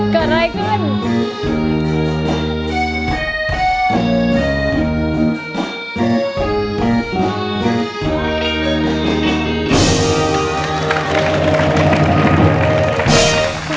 เกิดอะไรขึ้น